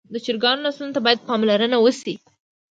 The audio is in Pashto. د چرګانو نسلونو ته باید پاملرنه وشي.